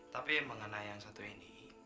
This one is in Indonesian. tapi mengenai yang satu ini